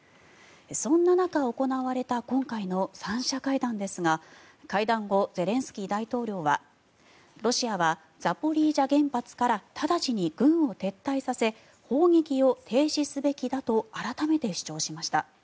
そんな中行われた今回の３者会談ですが会談後、ゼレンスキー大統領はロシアはザポリージャ原発から直ちに軍を撤退させ砲撃を停止すべきだと改めて主張しました。